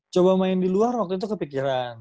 coba main di luar waktu itu kepikiran